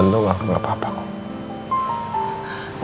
jantung aku gak apa apa kok